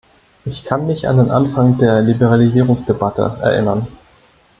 Ich kann mich an den Anfang der Liberalisierungsdebatte erinnern.